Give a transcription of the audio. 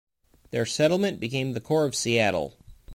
Their settlement became the core of Seattle.